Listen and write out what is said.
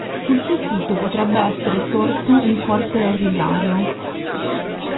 Sul suo sito potrebbe essere sorto un forte ausiliario.